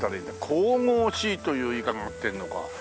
「神々しい」という言い方が合ってるのか。